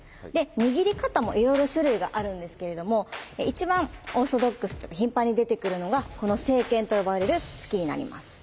握り方もいろいろ種類があるんですけれども一番オーソドックスというか頻繁に出てくるのがこの「正拳」と呼ばれる突きになります。